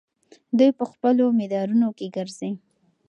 دوی په خپلو مدارونو کې ګرځي.